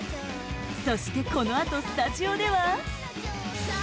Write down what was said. そしてこのあとスタジオでは？